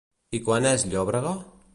I quan és llòbrega?